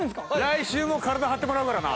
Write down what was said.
来週も体張ってもらうからな。